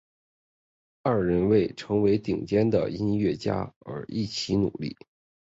二人为了成为顶尖的音乐家而一同努力。